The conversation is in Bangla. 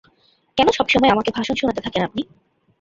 কেন সবসময় আমাকে ভাষণ শুনাতে থাকেন আপনি?